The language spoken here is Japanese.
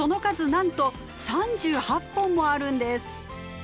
なんと３８本もあるんです！